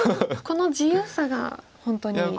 この自由さが本当に。